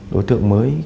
đối tượng mới